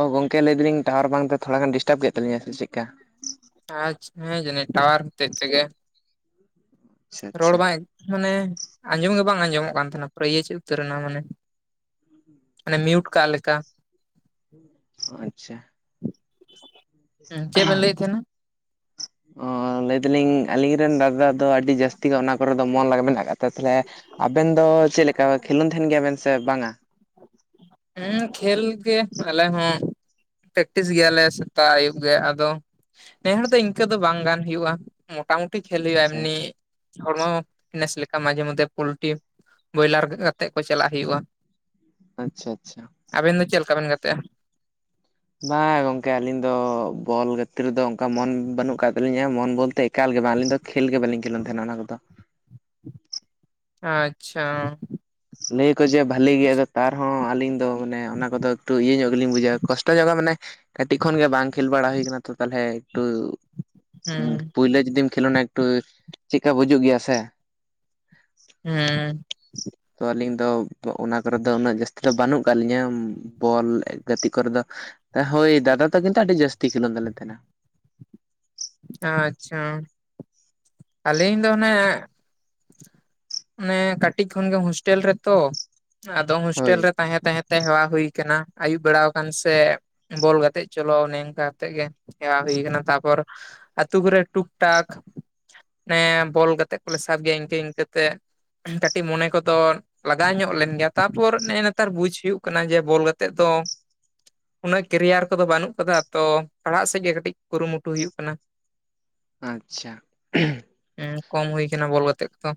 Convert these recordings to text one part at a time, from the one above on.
ᱚ ᱜᱚᱝᱠ ᱞᱟᱹᱭ ᱫᱟᱞᱤᱧ ᱴᱟᱣᱟᱨ ᱵᱟᱝ ᱛᱮ ᱛᱷᱚᱲᱟ ᱜᱟᱱ ᱰᱤᱥᱴᱟᱵ ᱠᱮᱫ ᱛᱟᱞᱤᱧᱟ ᱥᱮ ᱪᱮᱫ ᱠᱟ ᱦᱮᱸ ᱡᱟᱹᱱᱤᱡ ᱴᱟᱣᱟᱨ ᱦᱚᱛᱮᱡ ᱛᱮᱜᱮ ᱟᱪᱪᱷᱟ ᱨᱚᱲ ᱟᱪᱪᱷᱟ ᱵᱟᱝ ᱢᱟᱱᱮ ᱟᱸᱡᱚᱢ ᱜᱮ ᱵᱟᱝ ᱟᱸᱡᱚᱢᱚᱜ ᱠᱟᱱ ᱛᱟᱦᱮᱱᱟ [unintelligible] ᱩᱛᱟᱹᱨ ᱱᱟ ᱢᱟᱱᱮ ᱢᱟᱱᱮ ᱢᱤᱭᱩᱴ ᱠᱟᱜ ᱞᱮᱠᱟ ᱟᱪᱪᱷᱟ [inaudible] ᱪᱮᱫ ᱵᱮᱱ ᱞᱟᱹᱭᱮᱫ ᱛᱟᱦᱮᱱᱟ ᱚᱻ ᱞᱟᱹᱭ ᱫᱟᱞᱤᱧ ᱟᱞᱤᱧ ᱨᱮᱱ ᱫᱟᱫᱟ ᱟᱹᱰᱤ ᱡᱟᱹᱥᱛᱤ ᱜᱮ ᱚᱱᱟ ᱠᱚᱨᱮ ᱫᱚ ᱢᱚᱱ ᱞᱟᱜᱟ ᱢᱮᱱᱟᱜ ᱟᱠᱟᱫ ᱛᱟᱭ ᱛᱟᱦᱚᱞᱮ ᱟᱵᱮᱱ ᱫᱚ ᱪᱮᱫ ᱞᱮᱠᱟ ᱠᱷᱮᱞᱳᱰ ᱛᱟᱦᱮᱱ ᱜᱮᱭᱟ ᱵᱮᱱ ᱥᱮ ᱵᱟᱝᱼᱟ? ᱦᱩᱸ ᱠᱷᱮᱞ ᱜᱮ ᱟᱞᱮ ᱦᱚᱸ ᱯᱮᱠᱴᱤᱥ ᱜᱮᱭᱟ ᱞᱮ ᱥᱮᱛᱟᱜ ᱟᱹᱭᱩᱵ ᱜᱮ ᱟᱫᱚ ᱱᱮ ᱦᱚᱲ ᱫᱚ ᱤᱱᱠᱟᱹ ᱫᱚ ᱵᱟᱝ ᱜᱟᱱ ᱦᱩᱭᱩᱜᱼᱟ᱾ ᱢᱳᱴᱟᱢᱩᱴᱤ ᱠᱷᱮᱞ ᱦᱩᱭᱩᱜᱼᱟ ᱟᱪᱪᱷᱟ ᱮᱢᱱᱤ ᱦᱚᱲᱢᱚ ᱯᱷᱤᱴᱱᱮᱥ ᱞᱮᱠᱟ ᱢᱟᱡᱷᱮ ᱢᱚᱫᱽᱷᱮ ᱯᱚᱞᱴᱤ ᱵᱚᱭᱞᱟᱨ ᱠᱟᱛᱮᱜ ᱠᱚ ᱪᱟᱞᱟᱜ ᱦᱩᱭᱩᱜᱼᱟ ᱟᱪᱪᱷᱟ ᱟᱪᱪᱷᱟ ᱟᱵᱤᱱ ᱫᱚ ᱪᱮᱫ ᱞᱮᱠᱟᱵᱤᱱ ᱜᱟᱛᱮᱜᱼᱟ? ᱵᱟᱝ ᱜᱚᱝᱠᱮ ᱟᱹᱞᱤᱧ ᱫᱚ ᱵᱚᱞ ᱜᱟᱛᱮ ᱨᱮᱫᱚ ᱚᱱᱠᱟ ᱢᱚᱱ ᱵᱟᱹᱱᱩᱜ ᱟᱠᱟᱫ ᱛᱟᱹᱞᱤᱧᱟ, ᱢᱚᱱ ᱵᱚᱞᱛᱮ ᱮᱠᱟᱞ ᱜᱮ ᱵᱟᱝ ᱟᱹᱞᱤᱧ ᱫᱚ, ᱠᱷᱮᱞ ᱜᱮ ᱵᱟᱞᱤᱧ ᱠᱷᱮᱞᱳᱱ ᱠᱟᱱ ᱛᱟᱦᱮᱱᱟ ᱚᱱᱟ ᱠᱚᱫᱚ᱾ ᱟᱪᱪᱷᱟ ᱞᱟᱹᱭᱟᱠᱚ ᱡᱮ ᱵᱷᱟᱹᱞᱤ ᱜᱮᱭᱟ ᱟᱫᱚ ᱛᱟᱨᱦᱚᱸ ᱟᱹᱞᱤᱧ ᱫᱚ ᱢᱟᱱᱮ ᱚᱱᱟ ᱠᱚᱫᱚ ᱮᱠᱴᱩ ᱤᱭᱟᱹ ᱧᱚᱜ ᱜᱮᱞᱤᱧ ᱵᱩᱡᱟ ᱠᱚᱥᱴᱚ ᱧᱚᱜᱚᱜ-ᱟ ᱢᱟᱱᱮ ᱠᱟᱹᱴᱤᱡ ᱠᱷᱚᱱ ᱜᱮ ᱵᱟᱝ ᱠᱷᱮᱞ ᱵᱟᱲᱟ ᱦᱩᱭ ᱟᱠᱟᱱᱟ ᱛᱚ ᱛᱟᱞᱦᱮ ᱮᱠᱴᱩ ᱦᱩᱸ ᱯᱳᱭᱞᱳ ᱡᱩᱫᱤᱢ ᱠᱷᱮᱞᱳᱱᱟ ᱮᱠᱴᱩ ᱪᱮᱫᱠᱟ ᱵᱩᱡᱩᱜ ᱜᱮᱭᱟ ᱥᱮ ᱦᱮᱸ ᱛᱚ ᱟᱹᱞᱤᱧ ᱫᱚ ᱚᱱᱟ ᱠᱚᱨᱮ ᱫᱚ ᱩᱱᱟᱹᱜ ᱡᱟᱹᱥᱛᱤ ᱫᱚ ᱵᱟᱹᱱᱩᱜ ᱠᱟᱜ ᱞᱤᱧᱟᱹ ᱵᱚᱞ ᱜᱟᱛᱮᱜ ᱠᱚᱨᱮ ᱫᱚ, ᱦᱳᱭ ᱫᱟᱫᱟ ᱛᱟᱠᱤᱱ ᱫᱚ ᱟᱹᱰᱤ ᱡᱟᱹᱥᱛᱤ ᱠᱷᱮᱞᱳᱰ ᱠᱟᱱ ᱛᱟᱦᱮᱸᱱᱟ᱾ ᱟᱪᱪᱷᱟ᱾ ᱟᱹᱞᱤᱧ ᱫᱚ ᱚᱱᱮ ᱚᱱᱮ ᱠᱟᱹᱴᱤᱡ ᱠᱷᱚᱱ ᱜᱮ ᱦᱳᱥᱴᱮᱞ ᱨᱮᱛᱚ, ᱟᱫᱚ ᱦᱳᱭ ᱦᱳᱥᱴᱮᱞ ᱨᱮ ᱛᱟᱦᱮᱸ ᱛᱟᱦᱮᱸ ᱛᱮ ᱦᱮᱣᱟ ᱦᱩᱭ ᱟᱠᱟᱱᱟ ᱟᱹᱭᱩᱵ ᱵᱟᱲᱟ ᱟᱠᱟᱱ ᱥᱮ ᱵᱚᱞ ᱜᱟᱛᱮᱜ ᱪᱚᱞᱚ, ᱱᱮᱝᱠᱟ ᱠᱟᱛᱮᱜ ᱜᱮ ᱦᱮᱣᱟ ᱦᱩᱭ ᱠᱟᱱᱟ ᱛᱟᱨᱯᱚᱨ ᱟᱛᱩ ᱠᱚᱨᱮ ᱴᱩᱠ ᱴᱟᱠ ᱢᱟᱱᱮ ᱵᱚᱞ ᱜᱟᱛᱮ ᱠᱚᱞᱮ ᱥᱟᱵ ᱜᱮᱭᱟ᱾ ᱤᱱᱠᱟᱹ ᱤᱱᱠᱟᱹ ᱛᱮ ᱠᱟᱹᱴᱤᱡ ᱢᱚᱱᱮ ᱠᱚᱫᱚ ᱞᱟᱜᱟᱣ ᱧᱚᱜ ᱞᱮᱱ ᱜᱮᱭᱟ ᱛᱟᱨᱯᱚᱨ ᱱᱮᱜᱼ ᱱᱮᱛᱟᱨ ᱵᱩᱡ ᱦᱩᱭᱩᱜ ᱠᱟᱱᱟ ᱡᱮ ᱵᱚᱞ ᱜᱟᱛᱮ ᱫᱚ ᱩᱱᱟᱹᱜ ᱠᱮᱨᱤᱭᱟᱨ ᱠᱚᱫᱚ ᱵᱟᱹᱱᱩᱜ ᱟᱠᱟᱫᱟ ᱛᱚ ᱯᱟᱲᱦᱟᱜ ᱥᱮᱫ ᱜᱮ ᱠᱟᱹᱴᱤᱡ ᱠᱩᱨᱩᱢᱩᱴᱩ ᱦᱩᱭᱩᱜ ᱠᱟᱱᱟ ᱟᱪᱪᱷᱟ ᱦᱮᱸ ᱠᱚᱢ ᱦᱩᱭ ᱠᱟᱱᱟ ᱵᱚᱞ ᱜᱟᱛᱮ ᱠᱚᱫᱚ᱾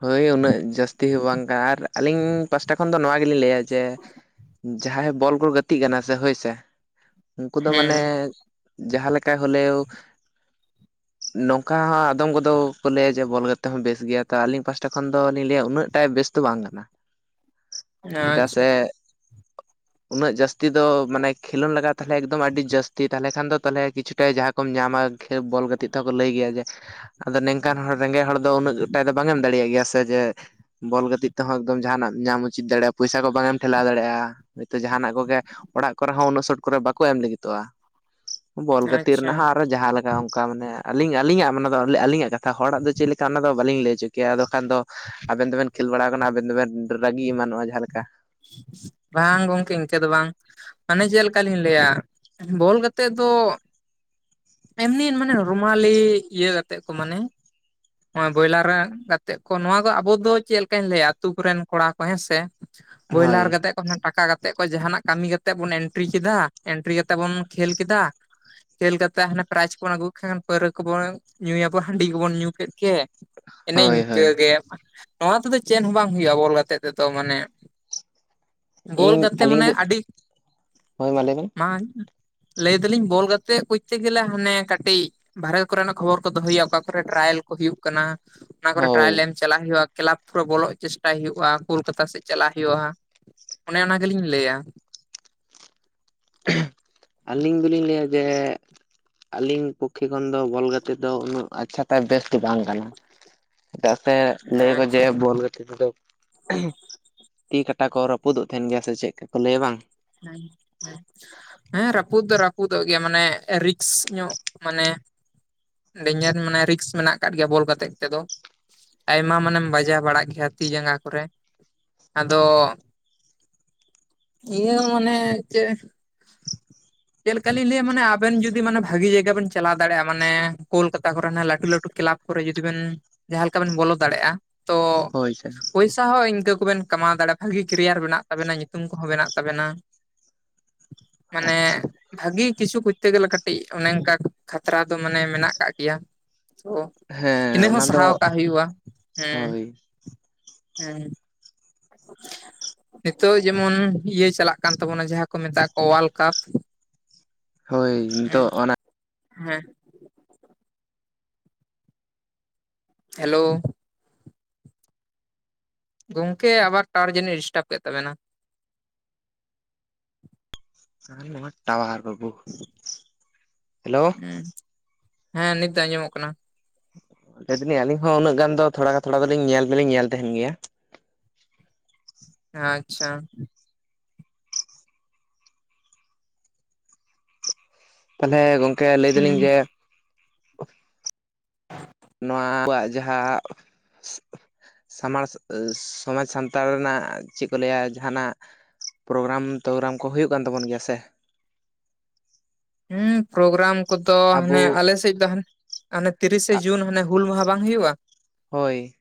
ᱦᱳᱭ ᱩᱱᱟᱹᱜ ᱡᱟᱹᱥᱛᱤ ᱛᱤᱦ ᱦᱚᱸ ᱵᱟᱝ ᱠᱟᱱᱟ ᱟᱨ ᱟᱹᱞᱤᱧ ᱯᱟᱥᱴᱟ ᱠᱷᱚᱱ ᱫᱚ ᱱᱚᱣᱟ ᱜᱮᱞᱤᱧ ᱞᱟᱹᱭᱟ ᱡᱮ ᱡᱟᱦᱟᱸᱭ ᱵᱚᱞ ᱠᱚ ᱜᱟᱛᱮᱜ ᱠᱟᱱᱟ ᱥᱮ ᱦᱳᱭ ᱥᱮ ᱩᱱᱠᱩ ᱫᱚ ᱢᱟᱱᱮ ᱦᱮᱸ ᱡᱟᱦᱟᱸ ᱞᱮᱠᱟ ᱞᱮᱭᱚ ᱱᱚᱝᱠᱟ ᱦᱚᱸ ᱟᱫᱚᱢ ᱠᱚᱫᱚ ᱠᱚ ᱞᱟᱹᱭᱟ ᱡᱮ ᱵᱚᱞ ᱜᱟᱛᱮ ᱦᱚᱸ ᱵᱮᱥ ᱜᱮᱭᱟ᱾ ᱛᱚ ᱟᱹᱞᱤᱧ ᱯᱟᱦᱴᱟ ᱠᱷᱚᱱ ᱫᱚᱞᱤᱧ ᱞᱟᱹᱭᱟ ᱩᱱᱟᱹᱜ ᱴᱟ ᱵᱮᱥ ᱫᱚ ᱵᱟᱝ ᱠᱟᱱᱟ᱾ ᱪᱮᱫᱟᱜ ᱟᱪᱪᱷᱟ ᱥᱮ [inaudible] ᱩᱱᱟᱹᱜ ᱡᱟᱹᱥᱛᱤ ᱫᱚ ᱢᱟᱱᱮ ᱠᱷᱮᱞᱳᱰ ᱞᱟᱜ ᱛᱟᱦᱮ ᱮᱠᱚᱢ ᱟᱹᱰᱤ ᱡᱟᱹᱥᱛᱤ ᱛᱟᱦᱚᱞᱮ ᱠᱷᱟᱱ ᱫᱚᱮ ᱠᱤᱪᱷᱩᱴᱟ ᱠᱚᱢ ᱧᱟᱢᱟ ᱠᱚ ᱵᱚᱞ ᱜᱟᱛᱮᱜ ᱛᱮᱦᱚᱸ ᱠᱚ ᱞᱟᱹᱭ ᱜᱮᱭᱟ ᱡᱮ ᱟᱫᱚ ᱱᱤᱝᱠᱟᱱ ᱦᱚᱲ ᱨᱮᱸᱜᱮᱡ ᱦᱚᱲ ᱫᱚ ᱩᱱᱟᱹᱜ [unintelligible] ᱫᱚ ᱵᱟᱝ ᱮᱢ ᱫᱟᱲᱮᱭᱟᱜ ᱜᱮᱭᱟ ᱥᱮ ᱡᱮ ᱵᱚᱞ ᱜᱟᱛᱮᱜ ᱛᱮᱦᱚᱸ ᱮᱠᱫᱚᱢ ᱡᱟᱦᱟᱱᱟᱜ ᱧᱟᱢ ᱩᱪᱤᱛ ᱫᱟᱲᱮᱭᱟᱜᱼᱟ, ᱯᱚᱭᱥᱟ ᱠᱚ ᱵᱟᱝᱮᱢ ᱴᱷᱮᱞᱟᱣ ᱫᱟᱲᱮᱭᱟᱜᱼᱟ᱾ ᱦᱚᱭᱛᱳ ᱡᱟᱦᱟᱱᱟᱜ ᱠᱚᱜᱮ ᱚᱲᱟᱜ ᱠᱚᱨᱮ ᱦᱚᱸ ᱩᱱᱟᱹᱜ ᱥᱚᱜᱮ ᱠᱚᱨᱮ ᱵᱟᱠᱚ ᱮᱢ ᱞᱟᱹᱜᱤᱫᱚᱜᱼᱟ᱾ ᱵᱚᱞ ᱠᱷᱹᱛᱤᱨ ᱟᱪᱪᱷᱟ ᱨᱮᱱᱟᱜ ᱦᱟᱸᱜ ᱮ ᱡᱟᱦᱟᱸᱮᱠᱟ ᱚᱱᱠᱟ ᱢᱟᱱᱮ ᱟᱹᱞᱤᱧ -ᱟᱹᱞᱤᱧᱟᱜ ᱚᱱᱟ ᱢᱟᱱᱮ ᱫᱚ ᱟᱹᱞᱤᱧᱟᱜ ᱠᱟᱛᱷᱟ ᱦᱚᱲᱟᱜ ᱫᱚ ᱪᱮᱫ ᱞᱮᱠᱟ ᱚᱱᱟ ᱫᱚ ᱵᱟᱞᱤᱧ ᱞᱟᱹᱭ ᱦᱚᱪᱚ ᱠᱮᱭᱟ ᱟᱫᱚ ᱠᱷᱟᱱ ᱫᱚ ᱟᱵᱮᱱ ᱫᱚᱵᱮᱱ ᱠᱷᱮᱞ ᱵᱟᱲᱟ ᱟᱠᱟᱱᱟ, ᱟᱵᱮᱱ ᱫᱚᱵᱮᱱ ᱨᱟᱹᱜᱤ ᱮᱢᱟᱱᱚᱜᱼᱟ ᱡᱟᱦᱟᱸᱞᱮᱠᱟ ᱵᱟᱝ ᱜᱚᱝᱠᱮ ᱤᱱᱠᱟᱹ ᱫᱚ ᱵᱟᱝ ᱢᱟᱱᱮ ᱪᱮᱫ ᱞᱮᱠᱟ ᱞᱤᱧ ᱞᱟᱹᱭᱟ ᱵᱚᱞ ᱜᱟᱛᱮᱜ ᱫᱚ ᱮᱢᱱᱤ ᱢᱟᱱᱮ ᱨᱩᱢᱟᱞᱤ ᱤᱭᱟᱹ ᱠᱟᱛᱮᱜ ᱠᱚ ᱢᱟᱱᱮ ᱦᱚᱭ ᱵᱚᱭᱞᱟᱨ ᱜᱟᱛᱮᱜ ᱠᱚ ᱱᱚᱣᱟ ᱫᱚ ᱟᱵᱚ ᱫᱚ ᱪᱮᱫ ᱞᱮᱠᱟᱧ ᱞᱟᱹᱭᱟ ᱟ ᱟᱹᱛᱩ ᱠᱚᱨᱮᱱ ᱠᱚᱲᱟ ᱠᱚ ᱦᱮᱸᱥᱮ [unintelligible] ᱦᱳᱭ ᱵᱚᱭᱞᱟᱨ ᱠᱟ ᱠᱟᱛᱮ ᱴᱟᱠᱟ ᱠᱟᱛᱮᱫ ᱠᱚ ᱡᱟᱦᱟᱱᱟᱜ ᱠᱟᱹᱢᱤ ᱠᱟᱛᱮᱫ ᱵᱚᱱ ᱮᱱᱴᱨᱤ ᱠᱮᱫᱟ ᱮᱱᱴᱨᱤ ᱠᱟᱛᱮᱫ ᱵᱚᱱ ᱠᱷᱮᱞ ᱠᱮᱫᱟ᱾ ᱠᱷᱮᱞ ᱠᱟᱛᱮ ᱦᱟᱱᱮ ᱯᱟᱨᱟᱭᱤᱡ ᱠᱚᱵᱚᱱ ᱟᱹᱜᱩᱭ ᱠᱮᱫ ᱠᱷᱟᱱ᱾ ᱯᱟᱹᱣᱨᱟᱹ ᱠᱚᱵᱚᱱ ᱧᱩᱭᱟᱵᱚᱱ ᱦᱟᱺᱰᱤ ᱠᱚᱵᱚᱱ ᱧᱩ ᱠᱮᱫ ᱜᱮ ᱮᱱᱮ ᱦᱳᱭ ᱦᱳᱭ ᱤᱱᱝᱠᱟᱹᱜᱮ ᱱᱚᱣᱟ ᱛᱮᱫᱚ ᱪᱮᱫ ᱦᱚᱸ ᱵᱟᱝ ᱦᱩᱭᱩᱜᱼᱟ ᱵᱚᱞ ᱜᱟᱛᱮᱜ ᱛᱮᱫᱚ ᱢᱟᱱᱮ ᱜᱳᱞ ᱤᱧ ᱜᱟᱛᱮ ᱟᱹᱞᱤᱧ ᱫᱚ ᱢᱟᱱᱮ ᱟᱹᱰᱤ ᱦᱳᱭ ᱢᱟ ᱞᱟᱹᱭ ᱵᱮᱱ ᱢᱟᱱ ᱞᱟᱹᱭ ᱮ ᱫᱟᱞᱤᱧ ᱵᱚᱞ ᱜᱟᱛᱮᱜ ᱠᱚᱡᱛᱮ ᱜᱮᱞᱮ ᱦᱟᱱᱮ ᱠᱟᱹᱴᱤᱡ ᱵᱟᱦᱨᱮ ᱠᱚᱨᱮᱱᱟᱜ ᱠᱷᱚᱵᱚᱨ ᱠᱚ ᱫᱚᱦᱚᱭᱩᱜᱼᱟ, ᱚᱠᱟ ᱠᱚᱨᱮ ᱴᱨᱟᱭᱮᱞ ᱠᱚ ᱦᱩᱭᱩᱜ ᱠᱟᱱᱟ, ᱚᱱᱟ ᱠᱚᱨᱮ ᱦᱳᱭ ᱴᱨᱟᱭᱮᱞ ᱮᱱ ᱪᱟᱞᱟᱜ ᱦᱩᱭᱩᱜᱼᱟ, ᱠᱞᱟᱵᱽ ᱠᱚᱨᱮ ᱵᱚᱞᱚᱜ ᱪᱮᱥᱴᱟᱭ ᱦᱩᱭᱩᱜᱼᱟ, ᱠᱳᱞᱠᱟᱛᱟ ᱥᱮᱫ ᱪᱟᱞᱟᱜ ᱦᱩᱭᱩᱜᱼᱟ᱾ ᱚᱱᱮ ᱚᱱᱟ ᱜᱮᱞᱤᱧ ᱞᱟᱹᱭᱟ [unintelligible] ᱟᱹᱞᱤᱧ ᱫᱚᱞᱤᱧ ᱞᱟᱹᱭᱟ ᱡᱮ ᱟᱹᱞᱤᱧ ᱯᱚᱠᱠᱷᱮ ᱠᱷᱚᱱ ᱫᱚ ᱵᱚᱞ ᱜᱟᱛᱮᱜ ᱫᱚ ᱩᱱᱟᱹᱜ ᱟᱪᱪᱷᱟ ᱛᱮ ᱵᱮᱥ ᱫᱚ ᱵᱟᱝ ᱠᱟᱱᱟ᱾ ᱪᱮᱫᱟᱜ ᱥᱮ ᱞᱟᱹᱭ ᱟᱠᱚ ᱡᱮ ᱵᱚᱞ ᱜᱟᱛᱮ ᱛᱚ, ᱛᱤ ᱠᱟᱴᱟ ᱠᱚ ᱨᱟᱹᱯᱩᱫᱚᱜ ᱛᱟᱦᱮᱱ ᱜᱮᱭᱟ ᱥᱮ ᱪᱮᱫ ᱠᱚ ᱞᱟᱹᱭᱟ ᱵᱟᱝ? ᱦᱮᱸ ᱦᱮᱸ ᱦᱮᱸ ᱨᱟᱹᱯᱩᱫ ᱫᱚ ᱨᱟᱹᱯᱩᱫᱚᱜ ᱜᱮᱭᱟ ᱢᱟᱱᱮ ᱨᱤᱠᱥ ᱧᱚᱜ ᱢᱟᱱᱮ ᱰᱮᱧᱡᱟᱨ ᱢᱟᱱᱮ ᱨᱤᱠᱥ ᱢᱮᱱᱟᱜ ᱟᱠᱟᱫ ᱜᱮᱭᱟ ᱵᱚᱞ ᱜᱟ ᱜᱟᱛᱮᱜ ᱛᱮᱫᱚ᱾ ᱟᱭᱢᱟ ᱢᱟᱱᱮᱢ ᱵᱟᱡᱟᱣ ᱵᱟᱲᱟᱜ ᱜᱮᱭᱟ ᱛᱤ ᱡᱟᱸᱜᱟ ᱠᱚᱨᱮ ᱟᱫᱚ ᱤᱭᱟᱹ ᱢᱟᱱᱮ ᱪᱮᱫ ᱪᱮᱫ ᱞᱮᱠᱟ ᱞᱤᱧ ᱞᱟᱹᱭᱟ ᱢᱟᱱᱮ ᱟᱵᱮᱱ ᱡᱩᱫᱤ ᱢᱟᱱᱮ ᱵᱷᱟᱜᱤ ᱡᱟᱭᱜᱟ ᱵᱮᱱ ᱪᱟᱞᱟᱣ ᱫᱟᱲᱮᱭᱟᱜᱼᱟ ᱢᱟᱱᱮ ᱠᱳᱞᱠᱟᱛᱟ ᱠᱚᱨᱮ ᱞᱟᱹᱴᱩ ᱞᱟᱹᱴᱩ ᱠᱮᱞᱟᱵᱽ ᱠᱚᱨᱮ ᱡᱩᱫᱤ ᱵᱮᱱ ᱡᱟᱦᱟᱸ ᱞᱮᱠᱟ ᱵᱮᱱ ᱵᱚᱞᱚ ᱫᱟᱲᱮᱭᱟᱜᱼᱟ᱾ ᱛᱚ ᱦᱳᱭ ᱥᱮ ᱯᱩᱥᱻ ᱯᱩᱭᱥᱟᱹ ᱤᱱᱠᱟᱹ ᱠᱚᱵᱮᱱ ᱠᱟᱢᱟᱣ ᱫᱟᱲᱮᱭᱟᱜᱼᱟ᱾ ᱵᱷᱟᱹᱜᱤ ᱠᱮᱨᱤᱭᱟᱨ ᱢᱮᱱᱟᱜ ᱛᱟᱵᱮᱱᱟ ᱧᱩᱛᱩᱢ ᱠᱚᱦᱚᱸ ᱢᱮᱱᱟᱜ ᱛᱟᱵᱮᱱᱟ᱾ ᱢᱟᱱᱮ ᱟᱪᱪᱷᱟ ᱵᱷᱟᱹᱜᱮ ᱠᱤᱪᱷᱩ ᱠᱚᱨᱛᱮ ᱜᱮᱞᱮ ᱠᱟᱹᱴᱤᱡ ᱚᱱᱮ ᱚᱱᱠᱟ ᱠᱷᱟᱛᱨᱟ ᱫᱚ ᱢᱟᱱᱮ ᱢᱮᱱᱟᱜ᱾ ᱠᱟᱜ ᱜᱮᱭᱟ᱾ ᱛᱚ ᱦᱮᱸ ᱤᱱᱟᱹ ᱚᱱᱟ ᱦᱚᱸ ᱫᱚ ᱥᱟᱦᱟᱣ ᱠᱟᱜ ᱦᱩᱭᱩᱜᱼᱟ᱾ ᱦᱮᱸ ᱦᱳᱭ ᱦᱮᱸ ᱦᱮᱸ ᱱᱤᱛᱚᱜ ᱡᱮᱢᱚᱱ ᱤᱭᱟᱹ ᱪᱟᱞᱟᱜ ᱠᱟᱱ ᱛᱟᱵᱚᱱᱟ ᱡᱟᱦᱟᱸ ᱠᱚ ᱢᱮᱛᱟᱜ ᱠᱚ ᱚᱣᱟᱨᱞᱰ ᱠᱟᱯ᱾ ᱦᱳᱭ ᱱᱤᱛᱚᱜ ᱦᱮᱸ ᱚᱱᱟ ᱦᱮᱸ ᱦᱮᱞᱳ ᱜᱚᱝᱠᱮ ᱟᱵᱟᱨ ᱴᱟᱨ ᱡᱟᱹᱱᱤᱡ ᱰᱤᱥᱴᱟᱵ ᱠᱮᱫ ᱛᱟᱵᱮᱱᱟ? ᱟᱨ ᱱᱚᱣᱟ ᱴᱟᱣᱟᱨ ᱵᱟᱹᱵᱩ ᱦᱮᱞᱳ ᱦᱩᱸ ᱦᱮᱸ ᱱᱤᱛ ᱫᱚ ᱟᱸᱡᱚᱢᱚᱜ ᱠᱟᱱᱟ ᱞᱟᱹᱭ ᱫᱟᱞᱤᱧ ᱟᱹᱞᱤᱧ ᱦᱚᱸ ᱩᱱᱟᱹ ᱜᱟᱱ ᱫᱚ ᱛᱷᱚᱲᱟ ᱛᱷᱚᱲᱟ ᱫᱚᱞᱤᱧ ᱧᱮᱞ ᱫᱚᱞᱤᱧ ᱧᱮᱞ ᱛᱟᱦᱮᱱ ᱜᱮᱭᱟ ᱟᱪᱪᱷᱟ ᱛᱟᱦᱞᱮ ᱜᱚᱝᱠᱮ ᱞᱟᱹᱭ ᱫᱟᱞᱤᱧ ᱦᱩᱸ ᱡᱮ ᱱᱚᱣᱟ ᱟᱵᱚᱣᱟᱜ ᱡᱟᱦᱟᱸ ᱥᱟᱢᱟᱲ ᱥᱚᱢᱟᱡᱽ ᱥᱟᱱᱛᱟᱲ ᱨᱮᱱᱟᱜ ᱪᱮᱫ ᱠᱚ ᱞᱟᱹᱭᱟ ᱡᱟᱦᱟᱱᱟᱜ ᱯᱨᱳᱜᱨᱟᱢ ᱴᱨᱳᱜᱨᱟᱢ ᱠᱚ ᱦᱩᱭᱩᱜ ᱠᱟᱱ ᱛᱟᱵᱚᱱ ᱜᱮᱭᱟ ᱥᱮ ᱦᱩᱸ ᱯᱨᱳᱜᱨᱟᱢ ᱠᱚᱫᱚ ᱟᱵᱚ ᱦᱟᱱᱮ ᱟᱞᱮᱥᱮᱫ ᱫᱚ ᱟᱱᱮ ᱛᱤᱨᱤᱥᱮ ᱟᱜ ᱡᱩᱱ ᱦᱟᱱᱮ ᱦᱩᱞ ᱢᱟᱦᱟ ᱵᱟᱝ ᱦᱩᱭᱩᱜᱼᱟ ᱦᱳᱭ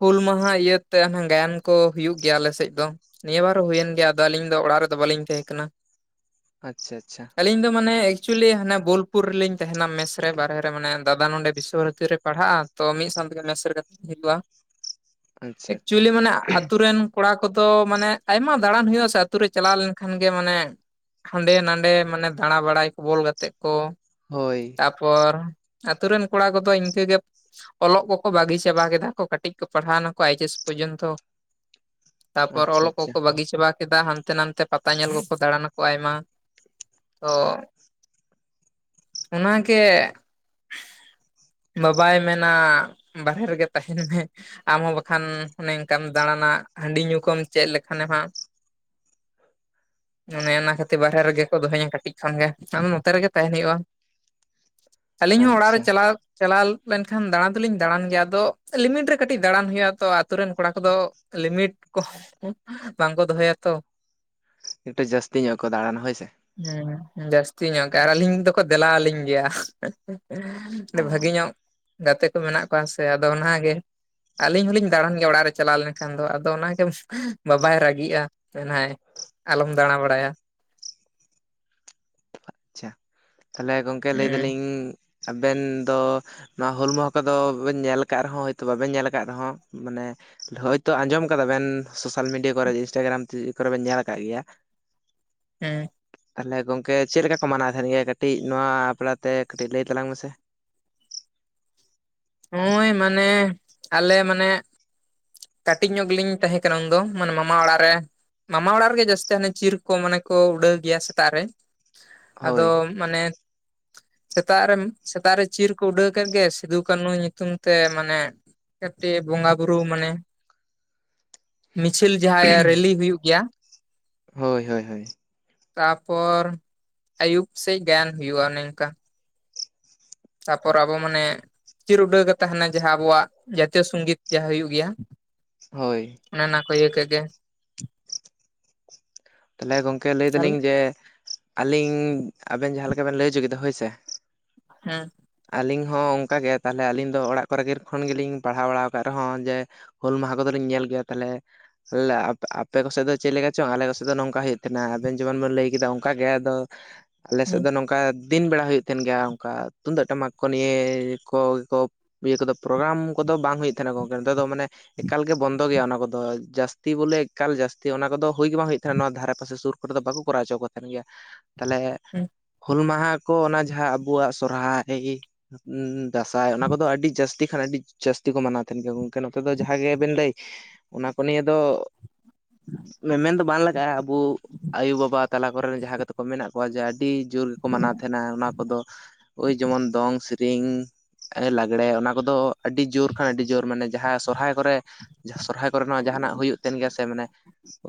ᱦᱩᱞ ᱢᱟᱦᱟ ᱤᱭᱟᱹᱛᱮ ᱦᱟᱱᱮ ᱜᱟᱭᱟᱱ ᱠᱚ ᱦᱩᱭᱩᱜ ᱜᱮᱭᱟ ᱟᱞᱮᱥᱮᱫ ᱫᱚ ᱱᱤᱭᱟᱹ ᱵᱟᱨ ᱦᱩᱭᱮᱱ ᱜᱮᱭᱟ ᱟᱫᱚ ᱟᱹᱞᱤᱧ ᱫᱚ ᱚᱲᱟᱜ ᱨᱮᱫᱚ ᱵᱟᱞᱤᱧ ᱛᱮᱦᱮᱸ ᱠᱟᱱᱟ ᱟᱪᱪᱷᱟ ᱟᱪᱪᱷᱟ ᱟᱹᱞᱤᱧ ᱫᱚ ᱢᱟᱱᱮ ᱮᱠᱪᱩᱭᱮᱞᱤ ᱦᱟᱱᱮ ᱵᱳᱞᱯᱩᱨ ᱨᱮᱞᱤᱧ ᱛᱟᱦᱮᱱᱟ ᱢᱮᱥ ᱨᱮ ᱵᱟᱦᱨᱮ ᱨᱮ ᱢᱟᱱᱮ ᱫᱟᱫᱟ ᱱᱚᱸᱰᱮ ᱵᱤᱥᱥᱚ ᱵᱷᱟᱨᱚᱛᱤ ᱨᱮ ᱯᱟᱲᱦᱟᱜᱼᱟ ᱛᱚ ᱢᱤᱫ ᱥᱟᱶ ᱛᱮᱜᱮ ᱞᱟᱥᱮᱥ ᱠᱟᱹᱯᱤᱭᱟᱛᱮᱫ ᱤᱧ ᱦᱤᱡᱩᱜᱼᱟ, ᱟᱪᱪᱷᱟ ᱟᱪᱪᱷᱟ ᱮᱠᱪᱩᱭᱮᱞᱤ ᱢᱟᱱᱮ ᱟᱛᱳ ᱨᱮᱱ ᱠᱚᱲᱟ ᱠᱚᱫᱚ ᱢᱟᱱᱮ ᱟᱭᱢᱟ ᱫᱟᱬᱟᱱ ᱦᱩᱭᱩᱜᱼᱟ ᱥᱮ ᱟᱹᱛᱩ ᱨᱮ ᱪᱟᱞᱟᱣ ᱞᱮᱱᱠᱷᱟᱱ ᱜᱮ ᱢᱟᱱᱮ ᱦᱟᱸᱰᱮ ᱱᱟᱰᱮ ᱢᱟᱱᱮ ᱫᱟᱬᱟ ᱵᱟᱲᱟᱭ ᱠᱚ ᱵᱚᱞ ᱜᱟᱛᱮᱜᱽ ᱠᱚ ᱦᱳᱭ ᱛᱟ ᱯᱚᱨ ᱟᱹᱛᱩ ᱨᱮᱱ ᱠᱚᱲᱟ ᱠᱚᱫᱚ ᱤᱱᱠᱟᱹ ᱜᱮ ᱚᱞᱚᱜ ᱠᱚᱠᱚ ᱵᱟᱹᱜᱤ ᱪᱟᱵᱟ ᱠᱮᱫᱟ ᱠᱚ ᱠᱟᱹᱴᱤᱡ ᱠᱚ ᱯᱟᱲᱦᱟᱣᱱᱟ ᱠᱚ ᱟᱭᱤᱪ ᱮᱥ ᱯᱚᱨᱡᱚᱱᱛᱚ [inaudible] ᱛᱟ ᱯᱚᱨ ᱚᱞᱚᱜ ᱟᱪᱪᱷᱟ ᱠᱚᱠᱚ ᱵᱟᱹᱜᱤ ᱪᱟᱵᱟ ᱠᱮᱫᱟ ᱦᱟᱱᱛᱮ ᱱᱟᱛᱮ ᱯᱟᱛᱟ ᱧᱮᱞ ᱠᱚᱠᱚ ᱫᱟᱬᱟᱱᱟ ᱠᱚ ᱟᱭᱢᱟ ᱛᱚ ᱚᱱᱟᱜᱮ ᱵᱟᱵᱟᱭ ᱢᱮᱱᱟ ᱵᱟᱦᱨᱮ ᱨᱮᱜᱮ ᱛᱟᱦᱮᱱ ᱢᱮ ᱟᱢᱦᱚᱸ ᱵᱟᱠᱷᱟᱱ ᱚᱱᱮ ᱚᱱᱠᱟᱢ ᱫᱟᱬᱟᱱᱟ ᱦᱟᱺᱰᱤ ᱧᱩ ᱠᱚᱢ ᱪᱮᱫ ᱞᱮᱠᱷᱟᱱᱮᱢ ᱦᱟᱸᱜ [inaudible] ᱚᱱᱮ ᱚᱱᱟ ᱠᱷᱟᱹᱛᱤᱨ ᱵᱟᱦᱨᱮ ᱨᱮᱜᱮ ᱠᱚ ᱫᱚᱦᱚᱧᱟ ᱠᱟᱹᱴᱤᱡ ᱠᱷᱚᱱᱜᱮ ᱱᱚᱛᱮ ᱨᱮᱜᱮ ᱛᱟᱦᱮᱱ ᱦᱩᱭᱩᱜᱼᱟ ᱟᱹᱞᱤᱧ ᱦᱚᱸ ᱚᱲᱟᱜ ᱨᱮ ᱟᱪᱪᱷᱟ ᱪᱟᱞᱟᱣ ᱪᱟᱞᱟᱣ ᱞᱮᱱᱠᱷᱟᱱ ᱫᱟᱬᱟᱱ ᱫᱚᱞᱤᱧ ᱫᱟᱬᱟᱱ ᱜᱮᱭᱟ ᱟᱫᱚ ᱞᱤᱢᱤᱴ ᱨᱮ ᱠᱟᱹᱴᱤᱡ ᱫᱟᱬᱟᱱ ᱦᱩᱭᱩᱜᱼᱟ ᱛᱚ ᱟᱛᱳ ᱨᱮᱱ ᱠᱚᱲᱟ ᱠᱚᱫᱚ ᱞᱤᱢᱤᱴ ᱠᱚ ᱵᱟᱝᱠᱚ ᱫᱚᱦᱚᱭᱟ ᱛᱚ ᱮᱴᱩ ᱡᱟᱹᱥᱛᱤ ᱧᱚᱜ ᱠᱚ ᱫᱟᱬᱟᱱᱟ ᱦᱳᱭ ᱥᱮ ᱩᱸ ᱦᱩᱸ ᱡᱟᱹᱥᱛᱤ ᱧᱚᱜ ᱜᱮ ᱟᱨ ᱟᱹᱞᱤᱧ ᱫᱚᱠᱚ ᱫᱮᱞᱟ ᱟᱹᱞᱤᱧ ᱜᱮᱭᱟ ᱚ ᱵᱷᱟᱹᱜᱤ ᱧᱚᱜ ᱜᱟᱛᱮ ᱠᱚ ᱢᱮᱱᱟᱜ ᱠᱚᱣᱟ ᱥᱮ ᱟᱫᱚ ᱚᱱᱟ ᱜᱮ ᱟᱹᱞᱤᱧ ᱦᱚᱞᱤᱧ ᱫᱟᱬᱟᱱ ᱜᱮᱭᱟ ᱚᱲᱟᱜ ᱨᱮ ᱪᱟᱞᱟᱣ ᱞᱮᱱᱠᱷᱟᱱ ᱫᱚ ᱟᱫᱚ ᱚᱱᱟᱜᱮ ᱵᱟᱵᱟᱭ ᱨᱟᱹᱜᱤᱜᱼᱟ ᱢᱮᱱᱟᱭ ᱟᱞᱚᱢ ᱫᱟᱬᱟ ᱵᱟᱲᱟᱭᱟ ᱟᱪᱪᱷᱟ ᱛᱟᱦᱞᱮ ᱜᱚᱝᱠᱮ ᱞᱟᱹᱭ ᱦᱩᱸ ᱫᱟᱞᱤᱧ ᱟᱵᱮᱱ ᱫᱚ ᱱᱚᱣᱟ ᱦᱩᱞ ᱢᱚᱦᱟ ᱠᱚᱫᱚ ᱵᱮᱱ ᱧᱮᱞ ᱟᱠᱟᱫ ᱨᱮᱦᱚᱸ ᱦᱚᱭᱛᱳ ᱵᱟᱵᱮᱱ ᱧᱮᱞ ᱟᱠᱟᱫ ᱨᱮᱦᱚᱸ ᱢᱟᱱᱮ ᱦᱳᱭᱛᱚ ᱟᱸᱡᱚᱢ ᱠᱟᱫᱟ ᱵᱮᱱ ᱥᱳᱥᱟᱞ ᱢᱤᱰᱤᱭᱟ ᱠᱚᱨᱮ ᱤᱱᱥᱴᱟᱜᱨᱟᱢ ᱠᱚᱨᱮ ᱵᱮᱱ ᱧᱮᱞ ᱟᱠᱟᱫ ᱜᱮᱭᱟ [inaudible] ᱮᱸ ᱛᱟᱦᱞᱮ ᱜᱚᱝᱠᱮ ᱪᱮᱫ ᱞᱮᱠᱟ ᱠᱚ ᱢᱟᱱᱟᱣ ᱛᱟᱦᱮᱱ ᱜᱮᱭᱟ ᱠᱟᱹᱴᱤᱡ ᱱᱚᱣᱟ ᱟᱯᱲᱟᱛᱮ ᱠᱟᱹᱴᱤᱡ ᱞᱟᱹᱭ ᱛᱟᱞᱟᱝ ᱢᱮᱥᱮ ᱦᱳᱭ ᱢᱟᱱᱮ ᱟᱞᱮ ᱢᱟᱱᱮ ᱠᱟᱹᱴᱤᱡ ᱧᱚᱜ ᱜᱮᱞᱤᱧ ᱛᱟᱦᱮᱸ ᱠᱟᱱᱟ ᱩᱱ ᱫᱚ ᱢᱟᱱᱮ ᱢᱟᱢᱟ ᱚᱲᱟᱜ ᱨᱮ ᱢᱟᱢᱟ ᱚᱲᱟᱜ ᱨᱮᱜᱮ ᱡᱟᱹᱥᱛᱤ ᱦᱟᱱᱮ ᱪᱤᱨ ᱠᱚ ᱢᱟᱱᱮ ᱠᱚ ᱩᱰᱟᱹᱣ ᱜᱮᱭᱟ ᱥᱮᱛᱟᱜ ᱨᱮ ᱟᱫᱚ ᱦᱳᱭ ᱢᱟᱱᱮ ᱥᱮᱛᱟᱜ ᱨᱮ ᱥᱮᱛᱟᱜ ᱨᱮ ᱪᱤᱨ ᱠᱚ ᱩᱰᱟᱹᱣ ᱠᱮᱫ ᱜᱮ ᱥᱤᱫᱩ ᱠᱟᱹᱱᱩ ᱧᱩᱛᱩᱢ ᱛᱮ ᱢᱟᱱᱮ ᱠᱟᱹᱴᱤᱡ ᱵᱚᱸᱜᱟ ᱵᱩᱨᱩ ᱢᱟᱱᱮ ᱢᱤᱪᱷᱤᱞ ᱡᱟᱦᱟᱸ ᱨᱮᱞᱤ ᱦᱩᱭᱩᱜ ᱜᱮᱭᱟ ᱦᱳᱭ ᱦᱳᱭ ᱦᱳᱭ ᱛᱟᱯᱚᱨ ᱟᱭᱩᱵ ᱥᱮᱡᱽ ᱜᱟᱭᱟᱱ ᱦᱩᱭᱩᱜᱼᱟ ᱱᱮᱝᱠᱟ ᱛᱟᱯᱚᱨ ᱟᱵᱚ ᱢᱟᱱᱮ ᱪᱤᱨ ᱩᱰᱟᱹᱣ ᱜᱮ ᱛᱟᱦᱮᱱᱟ ᱡᱟᱦᱟᱸ ᱟᱵᱚᱣᱟᱜ ᱡᱟᱛᱤᱭᱚ ᱥᱚᱝᱜᱤᱛ ᱡᱟᱦᱟᱸ ᱦᱩᱭᱩᱜ ᱜᱮᱭᱟ ᱦᱳᱭ ᱚᱱᱟ ᱱᱟ ᱠᱟᱹᱭ ᱠᱮᱜ ᱜᱮ ᱛᱟᱦᱚᱞᱮ ᱜᱚᱝᱠᱮ ᱞᱟᱹᱭ ᱛᱟᱦᱚᱞᱮ ᱫᱟᱞᱤᱧ ᱡᱮ ᱟᱹᱞᱤᱧ ᱟᱵᱮᱱ ᱡᱟᱦᱟᱸᱦᱞᱮᱠᱟ ᱵᱮᱱ ᱞᱟᱹᱭ ᱦᱚᱪᱚ ᱠᱮᱫᱟ ᱦᱳᱭᱥᱮ ᱦᱮᱸ ᱟᱹᱞᱤᱧ ᱦᱚᱸ ᱚᱱᱠᱟ ᱜᱮ ᱛᱟᱦᱚᱞᱮ ᱟᱹᱞᱤᱧ ᱫᱚ ᱚᱲᱟᱜ ᱠᱚᱨᱮ ᱜᱤᱨ ᱠᱷᱚᱱ ᱜᱮᱞᱤᱧ ᱯᱟᱲᱦᱟᱣ ᱵᱟᱲᱟᱣ ᱠᱟᱜ ᱨᱮᱦᱚᱸ ᱡᱮ ᱦᱩᱞ ᱢᱟᱦᱟ ᱠᱚᱫᱚᱞᱤᱧ ᱧᱮᱞ ᱜᱮᱭᱟ ᱛᱟᱦᱚᱞᱮ ᱟᱯ ᱟᱯᱮ ᱠᱚᱥᱮᱫ ᱫᱚ ᱪᱮᱫ ᱞᱮᱠᱟ ᱪᱚᱝ ᱟᱞᱮ ᱠᱚ ᱥᱮ ᱱᱚᱝᱠᱟ ᱦᱩᱭᱩᱜ ᱛᱦᱮᱱᱟ ᱟᱵᱮᱱ ᱡᱮᱢᱚᱱ ᱵᱚᱱ ᱞᱟᱹᱭ ᱠᱮᱫᱟ ᱚᱱᱠᱟ ᱜᱮ ᱟᱫᱚ ᱟᱞᱮ ᱥᱮᱫ ᱦᱩᱸ ᱫᱚ ᱱᱚᱝ ᱚᱱᱠᱟ ᱫᱤᱱ ᱵᱮᱲᱟ ᱦᱩᱭᱩᱜ ᱛᱟᱦᱮᱱ ᱜᱮᱭᱟ ᱚᱱᱠᱟ ᱛᱩᱢᱫᱟᱹᱜ ᱴᱟᱢᱟᱠ ᱠᱚ ᱱᱤᱭᱮ ᱠᱚ ᱠᱚ ᱤᱭᱟᱹ ᱠᱚᱫᱚ ᱯᱨᱳᱜᱽᱨᱟᱢ ᱠᱚᱫᱚ ᱵᱟᱝ ᱦᱩᱭᱩᱜ ᱛᱟᱦᱮᱱᱟ ᱜᱚᱢᱠᱮ ᱱᱚᱛᱮ ᱫᱚ ᱢᱟᱱᱮ ᱮᱠᱟᱞ ᱜᱮ ᱵᱚᱱᱫᱚ ᱜᱮᱭᱟ ᱚᱱᱟ ᱠᱚᱫᱚ ᱡᱟᱹᱥᱛᱤ ᱵᱚᱞᱮ ᱮᱠᱟᱞ ᱡᱟᱹᱥᱛᱤ ᱚᱱᱟ ᱠᱚᱫᱚ ᱦᱩᱭ ᱜᱮ ᱵᱟᱝ ᱦᱩᱭᱩᱜ ᱱᱚᱶᱟ ᱫᱷᱟᱨᱮ ᱯᱟᱥᱮ ᱥᱩᱨ ᱠᱚᱨᱮ ᱫᱚ ᱵᱟᱠᱚ ᱠᱚᱨᱟᱣ ᱦᱚᱪᱚ ᱠᱚ ᱛᱟᱦᱮᱱ ᱜᱮᱭᱟ ᱛᱟᱦᱚᱞᱮ ᱦᱩᱸ ᱦᱩᱞ ᱢᱟᱦᱟ ᱠᱚ ᱚᱱᱟ ᱡᱟᱦᱟᱸ ᱟᱵᱚᱣᱟᱜ ᱥᱚᱨᱦᱟᱭ ᱚᱸ ᱫᱟᱸᱥᱟᱭ ᱚᱱᱟ ᱠᱚᱫᱚ ᱟᱹᱰᱤ ᱡᱟᱹᱥᱛᱤ ᱠᱷᱟᱱ ᱟᱹᱰᱤ ᱡᱟᱹᱥᱛᱤ ᱠᱚ ᱢᱟᱱᱟᱣ ᱛᱟᱦᱮᱱ ᱜᱮᱭᱟ ᱜᱚᱢᱠᱮ ᱱᱚᱛᱮ ᱫᱚ ᱡᱟᱦᱟᱸ ᱜᱮᱵᱤᱱ ᱞᱟᱹᱭ ᱚᱱᱟ ᱠᱚ ᱱᱤᱭᱟᱹ ᱫᱚ ᱢᱮᱢᱮᱱ ᱫᱚ ᱵᱟᱝ ᱞᱟᱜᱟᱜᱼᱟ ᱟᱵᱚ ᱟᱭᱳᱼᱵᱟᱵᱟ ᱛᱟᱞᱟ ᱠᱚᱨᱮᱱ ᱡᱟᱦᱟᱸ ᱠᱟᱛᱮ ᱠᱚ ᱢᱮᱱᱟᱜ ᱠᱚᱣᱟ ᱡᱮ ᱟᱹᱰᱤ ᱡᱳᱨ ᱜᱮᱠᱚ ᱢᱟᱱᱟᱣ ᱛᱟᱦᱮᱱᱟ ᱚᱱᱟ ᱠᱚᱫᱚ ᱳᱭ ᱡᱮᱢᱚᱱ ᱫᱚᱝ ᱥᱮᱨᱤᱧ ᱞᱟᱸᱜᱽᱲᱮ ᱚᱱᱟ ᱠᱚᱫᱚ ᱟᱹᱰᱤ ᱡᱳᱨ ᱠᱷᱟᱱ ᱟᱹᱰᱤ ᱡᱳᱨ ᱢᱟᱱᱮ ᱡᱟᱦᱟᱸ ᱥᱚᱨᱦᱟᱭ ᱠᱚᱨᱮ ᱥᱚᱨᱦᱟᱭ ᱛᱟᱯᱚᱨᱮ ᱱᱚᱣᱟ ᱡᱟᱦᱟᱱᱟᱜ ᱦᱩᱭᱩᱜ ᱛᱟᱦᱮᱸ ᱜᱮᱭᱟ ᱥᱮ ᱢᱟᱱᱮ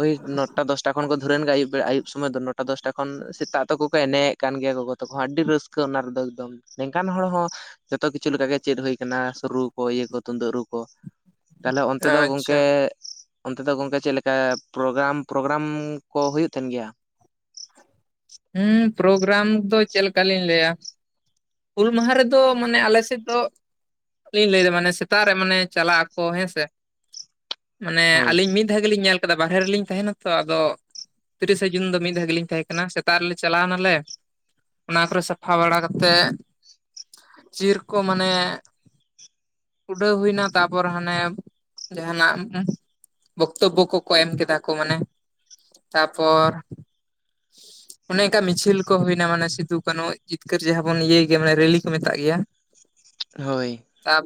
ᱳᱭ ᱱᱚ ᱱᱚᱴᱟ ᱫᱚᱥᱴᱟ ᱠᱷᱚᱱ ᱠᱚ ᱫᱷᱩᱨᱟᱹᱱ ᱜᱮ ᱟᱭᱩᱵ ᱟᱭᱩ ᱵᱮ ᱥᱚᱢᱚᱭ ᱫᱚ ᱱᱚᱴᱟ ᱫᱚᱥᱴᱟ ᱠᱷᱚᱱ ᱥᱮᱛᱟᱜ ᱛᱠᱚ ᱮᱱᱮᱡᱮᱫ ᱠᱟᱱ ᱜᱮᱭᱟ ᱜᱚᱟᱠᱚ ᱦᱚᱸ ᱟᱹᱰᱤ ᱨᱟᱹᱥ ᱟᱹᱠᱟᱹ ᱚᱱᱟ ᱨᱮᱫᱚ ᱮᱠᱫᱚᱢ ᱱᱤᱝᱠᱟᱱ ᱦᱚᱲ ᱦᱚᱸ ᱡᱚᱛᱚ ᱠᱤᱪᱷᱩ ᱞᱮᱠᱟᱜᱮ ᱪᱮᱫ ᱦᱩᱭ ᱟᱠᱟᱱᱟ ᱨᱩ ᱠᱚ ᱤᱭᱟᱹ ᱠᱚ ᱛᱩᱢᱫᱟᱹᱜ ᱨᱩ ᱠᱚ ᱛᱟᱦᱚᱞᱮ ᱚᱱᱛᱮ ᱫᱚ ᱟᱪᱪᱷᱟ ᱜᱚᱝᱠᱮ ᱚᱱᱛᱮ ᱫᱚ ᱜᱚᱝᱠᱮ ᱪᱮᱫ ᱞᱮᱠᱟ ᱯᱨᱳᱜᱽᱨᱟᱢ? ᱯᱨᱳᱜᱽᱨᱟᱢ ᱠᱚ ᱦᱩᱭᱩᱜ ᱛᱟᱦᱮᱱ ᱜᱮᱭᱟ ᱦᱮᱸ ᱯᱨᱳᱜᱽᱨᱟᱢ ᱫᱚ ᱪᱮᱫᱠᱟ ᱞᱤᱧ ᱞᱟᱹᱭᱟ? ᱦᱩᱞ ᱢᱟᱦᱟ ᱨᱮᱫᱚ ᱢᱟᱱᱮ ᱟᱞᱮ ᱥᱮᱫ ᱫᱚ ᱞᱟᱹᱭ ᱫᱟ ᱢᱟᱱᱮ ᱥᱮᱛᱟᱜ ᱨᱮ ᱢᱟᱱᱮ ᱪᱟᱞᱟᱜ ᱟᱠᱚ ᱦᱮᱸᱥᱮ ᱢᱟᱱᱮ ᱦᱳᱭ ᱟᱹᱞᱤᱧ ᱢᱤᱫ ᱢᱤᱫ ᱫᱷᱟᱣ ᱜᱮᱞᱤᱧ ᱧᱮᱞ ᱠᱟᱫᱟ ᱵᱟᱨᱦᱮ ᱨᱮᱞᱤᱧ ᱛᱟᱦᱮᱱᱟ ᱛᱚ ᱟᱫᱚ ᱛᱤᱨᱤᱥᱮ ᱡᱩᱱ ᱫᱚ ᱢᱤᱫ ᱫᱷᱟᱣ ᱜᱮᱞᱤᱧ ᱛᱟᱦᱮᱸ ᱠᱟᱱᱟ ᱥᱮᱜ ᱥᱮᱛᱟᱜ ᱨᱮᱞᱮ ᱪᱟᱞᱟᱣ ᱱᱟᱞᱮ ᱚᱱᱟ ᱠᱚᱨᱮ ᱥᱟᱯᱷᱟ ᱵᱟᱲᱟ ᱠᱟᱛᱮᱜ ᱪᱤᱨ ᱠᱚ ᱢᱟᱱᱮ ᱩᱰᱟᱹᱣ ᱦᱩᱭᱱᱟ ᱛᱟᱯᱚᱨ ᱦᱟᱱᱮ ᱡᱟᱦᱟᱱᱟᱜ ᱩᱸ ᱵᱚᱠᱛᱚ ᱵᱚ ᱠᱚᱠᱚ ᱮᱢ ᱠᱮᱫᱟ ᱠᱚ ᱢᱟᱱᱮ ᱛᱟᱯᱚᱨ ᱚᱱᱮ ᱚᱱᱠᱟ ᱢᱤᱪᱷᱤᱞ ᱠᱚ ᱦᱩᱭᱱᱟ ᱢᱟᱱᱮ ᱥᱤᱫᱩ ᱠᱟᱹᱱᱦᱩ ᱡᱤᱛᱠᱟᱹᱨ ᱡᱟᱦᱟᱸ ᱵᱚᱱ ᱤᱭᱟᱹᱭ ᱜᱮᱭᱟ ᱢᱟᱱᱮ ᱨᱮᱞᱤ ᱠᱚ ᱢᱮᱛᱟᱜ ᱜᱮᱭᱟ ᱦᱳᱭ [inaudible] ᱛᱟᱯ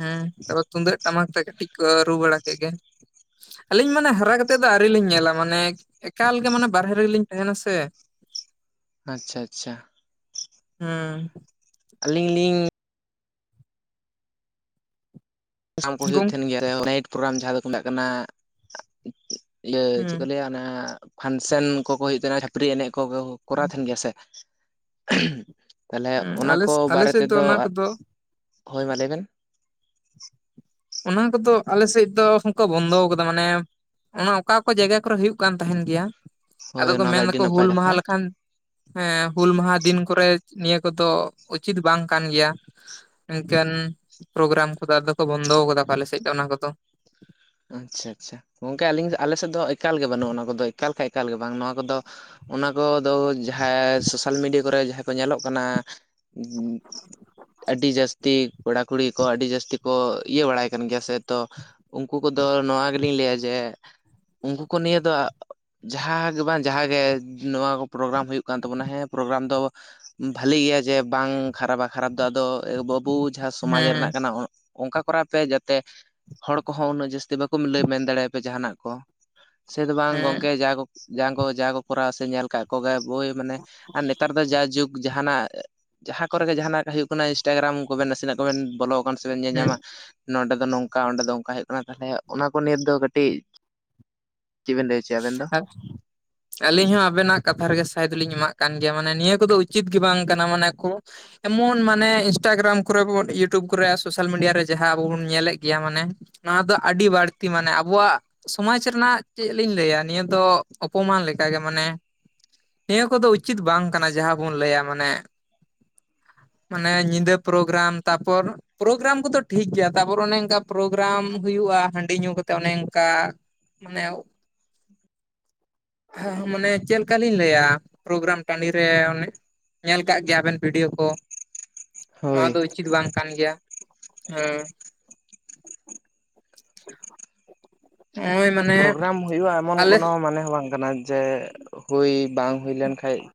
ᱦᱮᱸ ᱛᱟᱯᱚᱨ ᱛᱩᱢᱫᱟᱹᱜ ᱴᱟᱢᱟᱠ ᱛᱮ ᱠᱟᱹᱴᱤᱡ ᱠᱚ ᱨᱩ ᱵᱟᱲᱟ ᱠᱮᱜ ᱜᱮ ᱟᱹᱞᱤᱧ ᱢᱟᱱᱮ ᱦᱟᱨᱟ ᱠᱟᱛᱮᱫ ᱫᱚ ᱟᱹᱣᱨᱤ ᱞᱤᱧ ᱧᱮᱞᱟ ᱢᱟᱱᱮ ᱮᱠᱟᱞᱜᱮ ᱢᱟᱱᱮ ᱵᱟᱨᱦᱮ ᱨᱮᱞᱤᱧ ᱛᱟᱦᱮᱱᱟ ᱥᱮ ᱟᱪᱪᱷᱟ ᱟᱪᱪᱷᱟ ᱦᱩᱸ ᱟᱹᱞᱤᱧ ᱞᱤᱧ [unintelligible] ᱠᱚ ᱦᱩᱭᱩᱜ ᱜᱚᱝ ᱛᱟᱦᱮᱱ ᱜᱮᱭᱟ ᱱᱟᱭᱤᱴ ᱯᱨᱳᱜᱨᱟᱢ ᱡᱟᱦᱟᱸ ᱫᱚᱠᱚ ᱢᱮᱛᱟᱜ ᱠᱟᱱᱟ ᱤᱭᱟᱹ ᱪᱮᱫ ᱦᱩᱸ ᱠᱚ ᱞᱟᱹᱭᱟ ᱚᱱᱟ ᱯᱷᱟᱱᱥᱮᱱ ᱠᱚᱠᱚ ᱦᱩᱭᱩᱜ ᱛᱟᱦᱮᱱᱟ ᱯᱷᱟᱜ ᱠᱷᱩᱯᱨᱤ ᱮᱱᱮᱡ ᱠᱚ ᱠᱚᱨᱟᱣ ᱛᱟᱦᱮᱱ ᱜᱮᱭᱟ ᱥᱮ ᱛᱟᱦᱚᱞᱮ ᱦᱩᱸ ᱚᱱᱟ ᱟᱞᱮ ᱠᱚ ᱟᱞᱮ ᱵᱟᱨᱮ ᱥᱮᱫ ᱫᱚ ᱛᱮᱫᱚ ᱚᱱᱟ ᱠᱚᱫᱚ ᱦᱳᱭ ᱢᱟ ᱞᱟᱹᱭ ᱵᱮᱱ ᱚᱱᱟ ᱠᱚᱫᱚ ᱟᱞᱮ ᱥᱮᱫ ᱫᱚ ᱠᱚ ᱵᱚᱱᱫᱚ ᱠᱟᱫᱟ ᱢᱟᱱᱮ ᱚᱱᱟ ᱚᱠᱟ ᱚᱠᱟ ᱡᱟᱭᱜᱟ ᱠᱚᱨᱮ ᱦᱩᱭᱩᱜ ᱠᱟᱱ ᱛᱟᱦᱮᱱ ᱜᱮᱭᱟ᱾ ᱟᱫᱚ ᱦᱳᱭ ᱠᱚ ᱚᱱᱟ ᱫᱚ ᱢᱮᱱ ᱟᱹᱰᱤ ᱫᱟᱠᱚ ᱱᱟᱯᱟᱭ ᱦᱩᱞ ᱠᱟᱛᱷᱟ ᱢᱟᱦᱟ ᱞᱮᱠᱷᱟᱱ ᱦᱮᱸ ᱦᱩᱞ ᱢᱟᱦᱟ ᱫᱤᱱ ᱠᱚᱨᱮ ᱱᱤᱭᱟᱹ ᱠᱚᱫᱚ ᱩᱪᱤᱛ ᱵᱟᱝ ᱠᱟᱱ ᱜᱮᱭᱟ᱾ ᱤᱠᱟᱱ ᱯᱨᱳᱜᱽᱨᱟᱢ ᱠᱚᱫᱚ ᱟᱫᱚ ᱠᱚ ᱵᱚᱱᱫᱚ ᱟᱠᱟᱫᱟ ᱯᱟᱞᱮᱥᱮᱫ ᱫᱚ ᱚᱱᱟ ᱠᱚᱫᱚ ᱟᱪᱷᱟ ᱟᱪᱷᱟ ᱜᱚᱝᱠᱮ ᱟᱞᱤᱧ ᱟᱞᱮ ᱥᱮᱫ ᱫᱚ ᱮᱠᱟᱞ ᱜᱮ ᱵᱟᱹᱱᱩᱜᱼᱟ ᱚᱱᱟ ᱠᱚᱫᱚ ᱮᱠᱟᱞ ᱠᱷᱟᱡ ᱮᱠᱟᱞ ᱜᱮ ᱵᱟᱝ ᱱᱚᱶᱟ ᱠᱚᱫᱚ ᱚᱱᱟ ᱠᱚᱫᱚ ᱡᱟᱦᱟᱸ ᱥᱳᱥᱟᱞ ᱢᱤᱰᱤᱭᱟ ᱠᱚᱨᱮ ᱡᱟᱦᱟᱸᱭ ᱠᱚ ᱧᱮᱞᱚᱜ ᱠᱟᱱᱟ ᱟᱹᱰᱤ ᱡᱟᱹᱥᱛᱤ ᱠᱚᱲᱟ ᱠᱩᱲᱤ ᱠᱚ ᱟᱹᱰᱤ ᱡᱟᱹᱥᱛᱤ ᱠᱚ ᱤᱭᱟᱹ ᱵᱟᱲᱟᱭ ᱠᱟᱱ ᱜᱮᱭᱟ ᱥᱮ ᱛᱚ ᱩᱱᱠᱩ ᱠᱚᱫᱚ ᱱᱚᱣᱟ ᱜᱮᱞᱤᱧ ᱞᱟᱹᱭᱟ, ᱡᱮ ᱩᱱᱠᱩ ᱠᱚ ᱱᱤᱭᱟᱹ ᱫᱚ ᱡᱟᱦᱟᱸ ᱜᱮ ᱵᱟᱝ ᱡᱟᱦᱟᱸ ᱜᱮ ᱱᱚᱣᱟ ᱠᱚ ᱯᱚᱨᱜᱨᱟᱢ ᱦᱩᱭᱩᱜ ᱠᱟᱱ ᱛᱟᱵᱚᱱᱟ ᱦᱮᱸ ᱯᱚᱨᱜᱨᱟᱢ ᱫᱚ ᱵᱷᱟᱹᱞᱤ ᱜᱮᱭᱟ ᱡᱮ ᱵᱟᱝ ᱠᱷᱟᱨᱟᱯᱟ ᱠᱷᱟᱨᱟᱯ ᱫᱚ ᱟᱫᱚ ᱵᱟᱹᱵᱩ ᱡᱟᱦᱟᱸ ᱥᱚᱢᱟᱡ ᱦᱮᱸ ᱨᱮᱱᱟᱜ ᱠᱟᱱᱟ ᱚᱱᱠᱟ ᱠᱚᱨᱟᱣ ᱯᱮ ᱡᱮᱛᱮ ᱦᱚᱸ ᱩᱱᱟᱹᱜ ᱡᱟᱹᱥᱛᱤ ᱵᱟᱠᱚ ᱞᱟᱹᱭ ᱢᱮᱱ ᱫᱟᱲᱮᱭᱟᱜ ᱯᱮ ᱡᱟᱦᱟᱱᱟᱜ ᱠᱚ ᱥᱮ ᱫᱚ ᱵᱟᱝ ᱦᱮᱸ ᱜᱚᱝᱠᱮ ᱡᱟ ᱠᱚ ᱡᱟ ᱠᱚ ᱠᱚᱨᱟᱣᱟ ᱥᱮ ᱧᱮᱞ ᱠᱟᱜ ᱠᱚᱜᱮ ᱵᱚᱭ ᱢᱟᱱᱮ ᱟᱨ ᱱᱮᱛᱟᱨ ᱫᱚ ᱡᱟᱭ ᱡᱩᱜ ᱡᱟᱦᱟᱱᱟᱜ ᱡᱟᱦᱟᱸ ᱠᱚᱨᱮ ᱜᱮ ᱡᱟᱦᱟᱱᱟᱜ ᱦᱩᱭᱩᱜ ᱠᱟᱱᱟ ᱤᱱᱥᱴᱟᱜᱨᱟᱢ ᱠᱚᱵᱤᱱ ᱱᱟᱥᱮᱱᱟᱜ ᱠᱚᱵᱤᱱ ᱵᱚᱞᱚ ᱥᱮᱵᱮᱱ ᱧᱮᱞ ᱦᱮᱸ ᱧᱟᱢᱟ ᱱᱚᱰᱮ ᱫᱚ ᱱᱚᱝᱠᱟ ᱚᱰᱮ ᱫᱚ ᱚᱝᱠᱟ ᱦᱩᱭᱩᱜ ᱠᱟᱱᱟ ᱛᱟᱦᱚᱞᱮ ᱚᱱᱟ ᱠᱚ ᱱᱤᱛ ᱫᱚ ᱠᱟᱹᱴᱤᱡ ᱪᱮᱫ ᱵᱮᱱ ᱞᱟᱹᱭ ᱦᱚᱪᱚᱭᱟ ᱟᱵᱮᱱ ᱫᱚ [unintelligible] ᱟᱹᱞᱤᱧ ᱦᱚᱸ ᱟᱵᱤᱱᱟᱜ ᱠᱟᱛᱷᱟ ᱨᱮᱜᱮ ᱥᱟᱭ ᱫᱚᱞᱤᱧ ᱮᱢᱟᱜ ᱠᱟᱱ ᱜᱮᱭᱟ ᱢᱟᱱᱮ ᱱᱤᱭᱟᱹ ᱠᱚᱫᱚ ᱩᱪᱤᱛ ᱜᱮ ᱵᱟᱝ ᱠᱟᱱᱟ ᱢᱟᱱᱮ ᱠᱩ ᱮᱢᱚᱱ ᱢᱟᱱᱮ ᱤᱱᱥᱴᱟᱜᱨᱟᱢ ᱠᱚᱨᱮ ᱵᱚᱱ ᱤᱭᱩᱴᱩᱵᱽ ᱠᱚᱨᱮ ᱥᱚᱥᱟᱞ ᱢᱤᱰᱤᱭᱟ ᱨᱮ ᱡᱟᱦᱟᱸ ᱟᱵᱚ ᱵᱚᱱ ᱧᱮᱞᱮᱫ ᱜᱮᱭᱟ ᱢᱟᱱᱮ ᱱᱚᱣᱟ ᱫᱚ ᱟᱰᱤ ᱵᱟᱲᱛᱤ ᱢᱟᱱᱮ ᱟᱵᱚᱣᱟᱜ ᱥᱚᱢᱟᱡ ᱨᱮᱱᱟᱜ ᱪᱮᱫ ᱞᱤᱧ ᱞᱟᱹᱭᱟ ᱱᱤᱭᱟᱹ ᱫᱚ ᱚᱯᱚᱢᱟᱱ ᱞᱮᱠᱟ ᱜᱮ ᱢᱟᱱᱮ ᱱᱤᱭᱟᱹ ᱠᱚᱫᱚ ᱩᱪᱤᱛ ᱵᱟᱝ ᱠᱟᱱᱟ ᱡᱟᱦᱟᱸ ᱵᱚᱱ ᱞᱟᱹᱭᱟ ᱢᱟᱱᱮ ᱢᱟᱱᱮ ᱧᱤᱫᱟᱹ ᱯᱨᱚᱜᱨᱟᱢ ᱛᱟᱯᱚᱨ ᱯᱨᱚᱜᱨᱟᱢ ᱠᱚᱫᱚ ᱴᱷᱤᱠ ᱜᱮᱭᱟ ᱛᱟᱨᱯᱚᱨᱮ ᱚᱱᱮ ᱚᱱᱠᱟ ᱯᱨᱚᱜᱨᱟᱢ ᱦᱩᱭᱩᱜᱼᱟ ᱦᱟᱺᱰᱤ ᱧᱩ ᱠᱟᱛᱮᱫ ᱚᱱᱮ ᱚᱱᱠᱟ ᱢᱟᱱᱮ ᱦᱮᱸ ᱢᱟᱱᱮ ᱪᱮᱫ ᱞᱮᱠᱟ ᱞᱤᱧ ᱞᱟᱹᱭᱟ ᱯᱨᱚᱜᱨᱟᱢ ᱴᱟᱺᱰᱤ ᱨᱮ ᱚᱱᱮ ᱧᱮᱞ ᱠᱟᱜ ᱜᱮᱭᱟ ᱵᱤᱱ ᱵᱷᱤᱰᱤᱭᱚ ᱠᱚ ᱱᱚᱣᱟ ᱦᱳᱭ ᱫᱚ ᱩᱪᱤᱛ ᱵᱟᱝ ᱠᱟᱱ ᱜᱮᱭᱟ ᱦᱚᱸ [inaudible] ᱱᱚᱜᱼᱚᱭ ᱢᱟᱱᱮ ᱯᱨᱚᱜᱨᱟᱢ ᱦᱩᱭᱩᱜᱼᱟ ᱮᱢᱚᱱ ᱟᱞᱮ ᱠᱚᱱᱚ ᱢᱟᱱᱮ ᱦᱚᱸ ᱵᱟᱝ ᱠᱟᱱᱟ ᱡᱮ ᱦᱩᱭ ᱵᱟᱝ ᱦᱩᱭ ᱞᱮᱱᱠᱷᱟᱡ